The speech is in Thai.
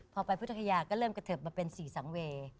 พอไปพุทธคยาก็เริ่มกระเทิบมาเป็นสี่สังเว